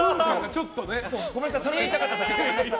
ごめんなさい、それが言いたかっただけ。